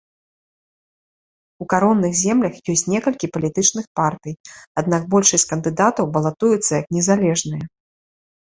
У каронных землях ёсць некалькі палітычных партый, аднак большасць кандыдатаў балатуюцца як незалежныя.